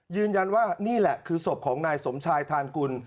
ยืนยันว่านี่แหละคือศพของนายสมชายทานกุล